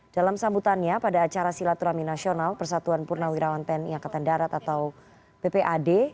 dalam sambutannya pada acara silaturahmi nasional persatuan purnawirawan tni angkatan darat atau ppad